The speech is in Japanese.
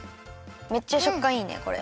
めっちゃしょっかんいいねこれ。